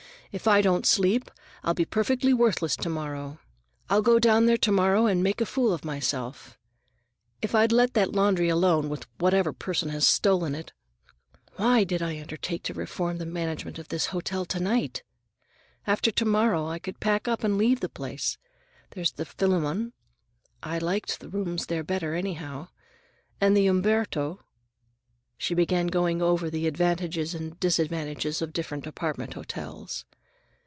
"If I don't sleep, I'll be perfectly worthless to morrow. I'll go down there to morrow and make a fool of myself. If I'd let that laundry alone with whatever nigger has stolen it—why did I undertake to reform the management of this hotel to night? After to morrow I could pack up and leave the place. There's the Phillamon—I liked the rooms there better, anyhow—and the Umberto—" She began going over the advantages and disadvantages of different apartment hotels.